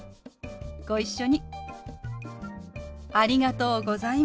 ご一緒に。